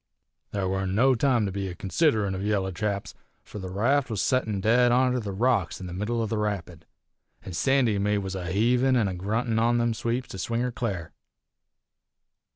"There warn't no time to be a considerin' of yaller chaps, fur the raft was settin' dead onter the big rocks in the middle o' the rapid, an' Sandy an' me was a heavin' an' a gruntin' on them sweeps to swing her cl'ar.